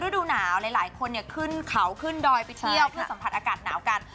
ฤดูหนาวหลายคนขึ้นเขาขึ้นดอยไปเที่ยวเพื่อสัมผัสอากาศหนาวกัน